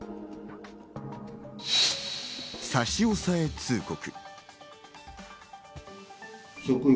差し押さえ通告。